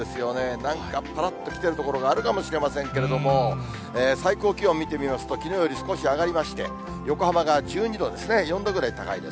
なんかぱらっと来てる所があるかもしれませんけれども、最高気温見てみますと、きのうより少し上がりまして、横浜が１２度ですね、４度ぐらい高いです。